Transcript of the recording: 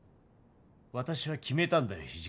私は決めたんだよ